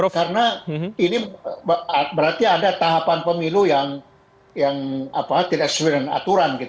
karena ini berarti ada tahapan pemilu yang tidak sesuai dengan aturan